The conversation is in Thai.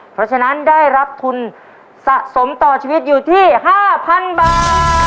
เพราะฉะนั้นได้รับทุนสะสมต่อชีวิตอยู่ที่๕๐๐๐บาท